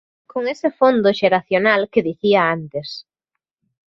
Con ese fondo xeracional que dicía antes.